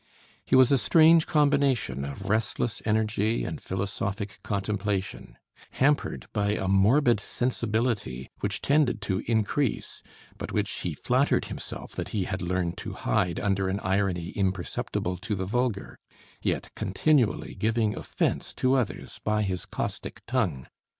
He was a strange combination of restless energy and philosophic contemplation; hampered by a morbid sensibility which tended to increase, but which he flattered himself that he "had learned to hide under an irony imperceptible to the vulgar," yet continually giving offense to others by his caustic tongue.